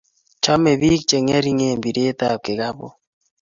chome biik chengering bireetab kikabuu